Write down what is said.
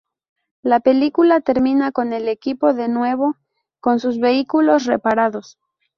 La película termina con el equipo de nuevo con sus vehículos reparados.